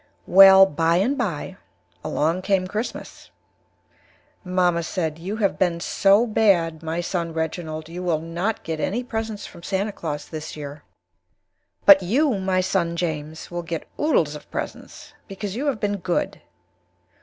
Well, by and by, along Came Christmas. Mamma said, You have been so Bad, my son Reginald, you will not Get any Presents from Santa Claus this Year; but you, my son James, will get Oodles of Presents, because you have Been Good.